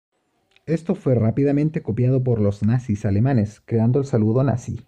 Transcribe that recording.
Esto fue rápidamente copiado por los Nazis alemanes, creando el saludo Nazi.